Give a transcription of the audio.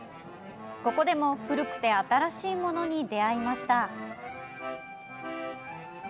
ここでも古くて新しいものに出会いました。